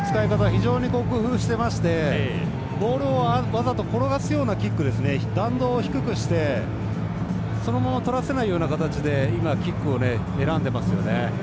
非常に工夫してましてボールをわざと転がすようなキック弾道を低くしてそのままとらせないような形で今、キックを選んでますよね。